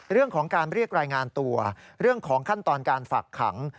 เรื่องของการเรียกรายงานตัวเรื่องของขั้นตอนการฝากขัง